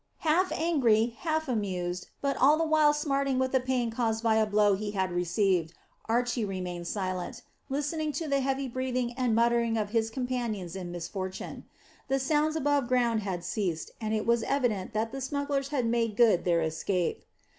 Half angry, half amused, but all the while smarting with the pain caused by a blow he had received, Archy remained silent, listening to the heavy breathing and muttering of his companions in misfortune. The sounds above ground had ceased, and it was evident that the smugglers had made good their escape.